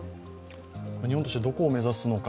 日本としてはどこを目指すのか。